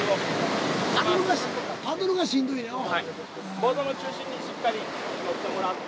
ボードの中心にしっかり乗ってもらって。